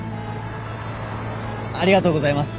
ありがとうございます。